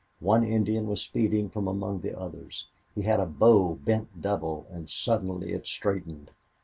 One Indian was speeding from among the others. He had a bow bent double, and suddenly it straightened.